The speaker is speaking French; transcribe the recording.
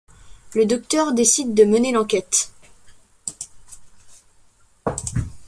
Le Docteur décide de mener l'enquête.